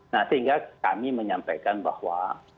nah sehingga kami menyampaikan bahwa